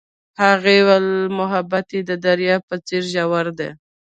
هغې وویل محبت یې د دریاب په څېر ژور دی.